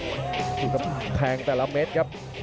โอ๊ยเจ้าก็แพงแต่ละเม็ดครับ